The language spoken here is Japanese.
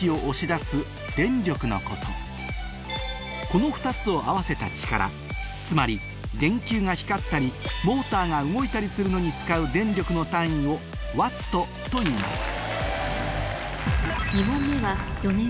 この２つを合わせた力つまり電球が光ったりモーターが動いたりするのに使う電力の単位をワットといいます